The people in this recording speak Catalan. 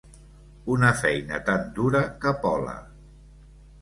Una feina tan dura capola.